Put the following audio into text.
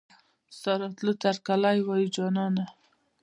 ستا راتلو ته هرکلی وايو جانانه